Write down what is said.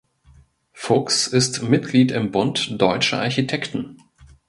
Fuchs ist Mitglied im Bund Deutscher Architekten.